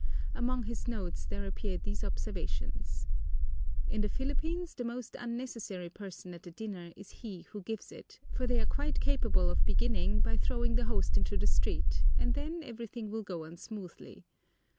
Among his notes there appeared these observations: "In the Philippines the most unnecessary person at a dinner is he who gives it, for they are quite capable of beginning by throwing the host into the street and then everything will go on smoothly.